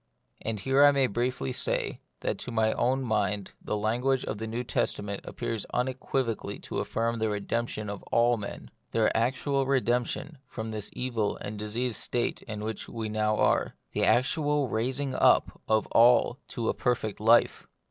And here I may briefly say that to my own mind the language of the New Testament appears unequivocally to affirm the redemption of all men ; their actual redemption from this evil and diseased state in which we now are ; the actual rais ing up of all to a perfect life.